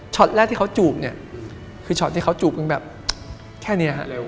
ช็อตแรกที่เขาจูบเนี่ยคือช็อตที่เขาจูบแบบแค่เนี่ย